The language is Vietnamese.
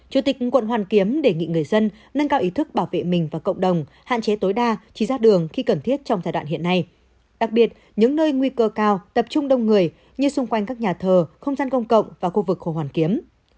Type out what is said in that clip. chủ tịch quận hoàn kiếm đề nghị người dân nâng cao ý thức bảo vệ mình và cộng đồng hạn chế tối đa chi ra đường khi cần thiết trong giai đoạn hiện nay đặc biệt những nơi nguy cơ cao tập trung đông người như xung quanh các nhà thờ không gian công cộng và khu vực hồ hoàn kiếm